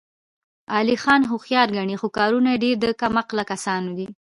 علي ځان هوښیار ګڼي، خو کارونه یې ډېر د کم عقله کسانو دي.